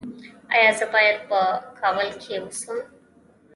ایا زه باید په کابل کې اوسم؟